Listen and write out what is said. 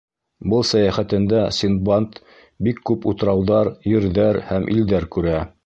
Был сәйәхәтендә Синдбад бик күп утрауҙар, ерҙәр һәм илдәр күрә.